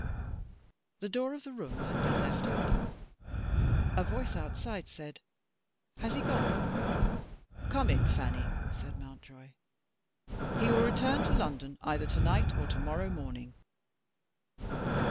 The door of the room had been left open. A voice outside said: "Has he gone?" "Come in, Fanny," said Mountjoy. "He will return to London either to night or to morrow morning."